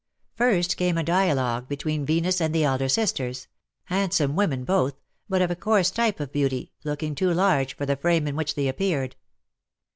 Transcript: First came a dialogue between Venus and the elder sisters — handsome women both, but of a coarse type of beauty, looking too large for the frame in which they appeared.